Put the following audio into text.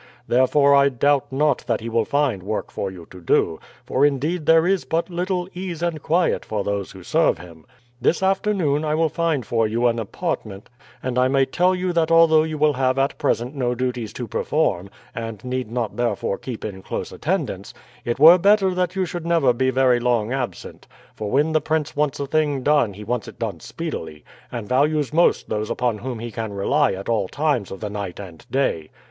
Therefore I doubt not that he will find work for you to do, for indeed there is but little ease and quiet for those who serve him. This afternoon I will find for you an apartment, and I may tell you that although you will have at present no duties to perform, and need not therefore keep in close attendance, it were better that you should never be very long absent; for when the prince wants a thing done he wants it done speedily, and values most those upon whom he can rely at all times of the night and day.